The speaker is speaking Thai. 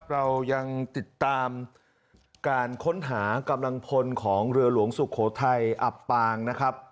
เรายังติดตามการค้นหากำลังพลของเรือหลวงสุโขทัยอับปางนะครับ